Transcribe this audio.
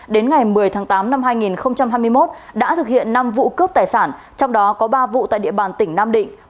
đến ngày một mươi tháng tám năm hai nghìn hai mươi một đã thực hiện năm vụ cướp tài sản trong đó có ba vụ tại địa bàn tỉnh nam định